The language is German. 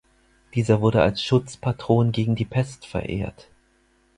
Dieser wurde als Schutzpatron gegen die Pest verehrt.